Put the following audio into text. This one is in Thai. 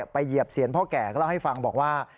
เหยียบเซียนพ่อแก่ก็เล่าให้ฟังบอกว่า